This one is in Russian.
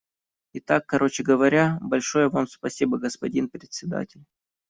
Итак, короче говоря, большое Вам спасибо, господин Председатель.